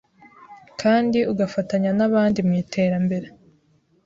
kandi ugafatanya n’abandi mu iterambere